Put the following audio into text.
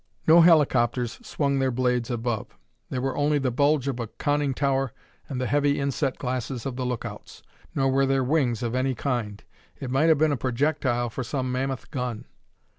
No helicopters swung their blades above; there were only the bulge of a conning tower and the heavy inset glasses of the lookouts. Nor were there wings of any kind. It might have been a projectile for some mammoth gun.